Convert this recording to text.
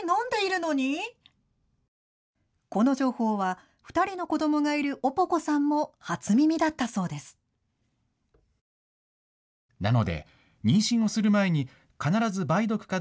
この情報は２人の子どもがいるヲポコさんも初耳だったそうです。